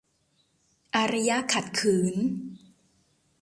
อารยะขัดขืน